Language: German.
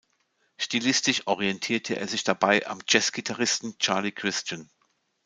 Stilistisch orientierte er sich dabei am Jazz-Gitarristen Charlie Christian.